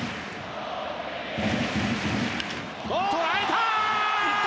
捉えた！